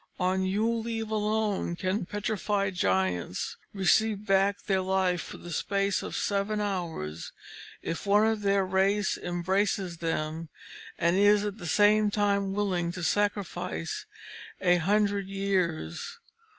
On Yule eve alone can petrified Giants receive back their life for the space of seven hours, if one of their race embraces them, and is at the same time willing to sacrifice a hundred years.